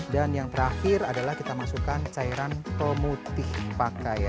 dan yang terakhir adalah kita masukkan cairan pemutih pakai ya